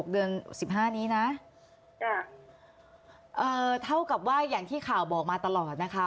เดือน๑๕นี้นะเท่ากับว่าอย่างที่ข่าวบอกมาตลอดนะคะ